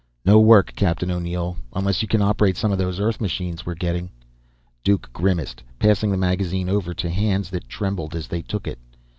"No work, Captain O'Neill. Unless you can operate some of those Earth machines we're getting?" Duke grimaced, passing the magazine over to hands that trembled as they took it.